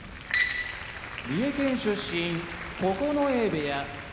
三重県出身九重部屋